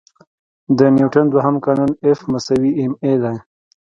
د نیوټن دوهم قانون F=ma دی.